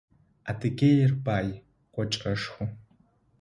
Адыгеир бай, кӏочӏэшху.